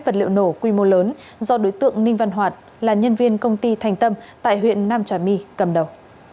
vật liệu nổ quy mô lớn do đối tượng ninh văn hoạt là nhân viên công ty thành tâm tại huyện nam trà my cầm đầu